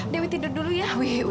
dewi tidur dulu ya